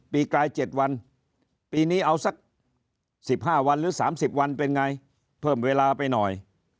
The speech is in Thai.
กลาย๗วันปีนี้เอาสัก๑๕วันหรือ๓๐วันเป็นไงเพิ่มเวลาไปหน่อย